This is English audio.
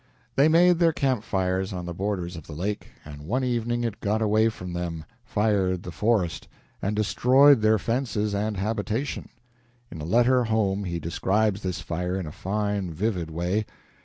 They made their camp fires on the borders of the lake, and one evening it got away from them, fired the forest, and destroyed their fences and habitation. In a letter home he describes this fire in a fine, vivid way.